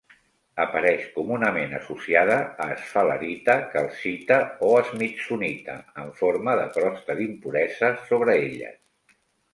Apareix comunament associada a esfalerita, calcita o smithsonita en forma de crosta d'impuresa sobre elles.